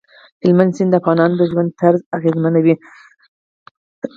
هلمند سیند د افغانانو د ژوند طرز اغېزمنوي.